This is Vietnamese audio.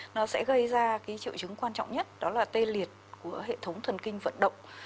nó sẽ gây ra cái triệu chứng quan trọng nhất đó là tê liệt của hệ thống thần kinh vận động